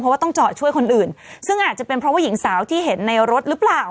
เพราะว่าต้องจอดช่วยคนอื่นซึ่งอาจจะเป็นเพราะว่าหญิงสาวที่เห็นในรถหรือเปล่า